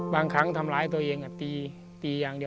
บางครั้งทำร้ายตัวเองอะตีอย่างนี้